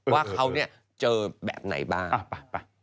ว่าเขาเนี่ยเจอแบบไหนบ้างไป